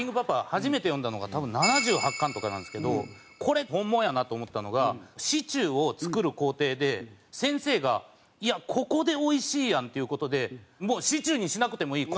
初めて読んだのが多分７８巻とかなんですけどこれ本物やなって思ったのがシチューを作る工程で先生が「ここでおいしいやん」っていう事で「もうシチューにしなくてもいい。